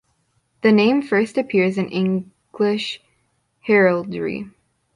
The name first appears in English heraldry.